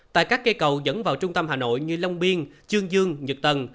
tại các cây cầu dẫn vào trung tâm hà nội như long biên chương dương nhật tân